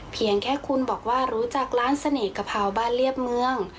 เพียงแค่คุณบอกว่ารู้จักร้านเสน่ห์กะเพราบ้านเรียบเมือง